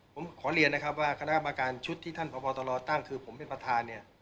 ผมขอเรียนว่าคณะประการชุดที่ท่านประวัตรรตั้งคือผมเป็นประธาน